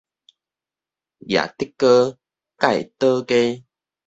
攑竹篙概倒街